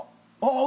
ああ！